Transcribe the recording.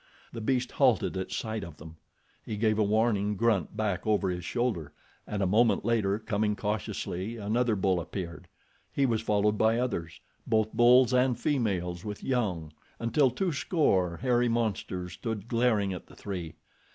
The beast halted at sight of them. He gave a warning grunt back over his shoulder, and a moment later coming cautiously another bull appeared. He was followed by others—both bulls and females with young, until two score hairy monsters stood glaring at the three.